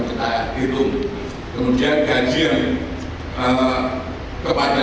kita harus mengerti dalam suara